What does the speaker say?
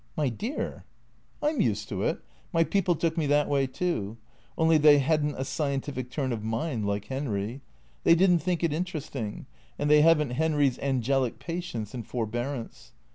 "My dear "" I 'm used to it. My people took me that way, too. Only they had n't a scientific turn of mind, like Henry. They did n't think it interesting ; and they have n't Henry's angelic patience and forbearance.